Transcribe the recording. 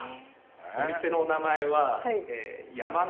お店の名前は。